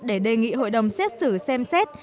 để đề nghị hội đồng xét xử xem xét